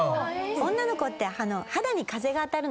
女の子って。